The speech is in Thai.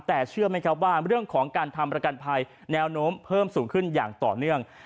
แต่เชื่อไหมครับว่าเรื่องของการทำประกันภัยแนวโน้มเพิ่มสูงขึ้นอย่างต่อเนื่อง